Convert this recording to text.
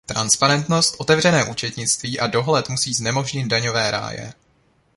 Transparentnost, otevřené účetnictví a dohled musí znemožnit daňové ráje.